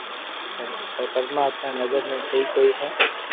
پر پرماتما ري نظر ۾ سھي ڪوئي ھي